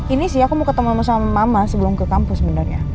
ini sih aku mau ketemu sama mama sebelum ke kampus sebenarnya